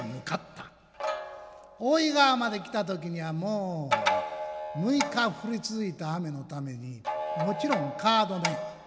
大井川まで来た時にはもう６日降り続いた雨のためにもちろん川止め。